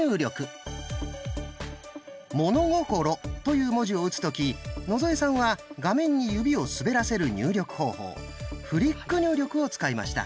「物心」という文字を打つ時野添さんは画面に指を滑らせる入力方法「フリック入力」を使いました。